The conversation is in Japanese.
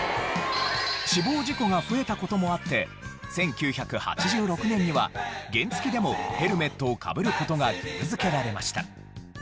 死亡事故が増えた事もあって１９８６年には原付きでもヘルメットをかぶる事が義務付けられました。